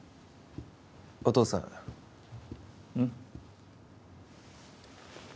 お父さんうん？